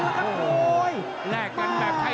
ติดตามยังน้อยกว่า